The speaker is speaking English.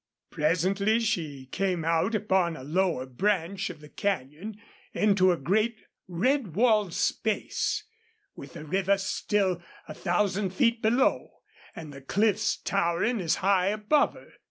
Presently she came out upon a lower branch of the canyon, into a great red walled space, with the river still a thousand feet below, and the cliffs towering as high above her.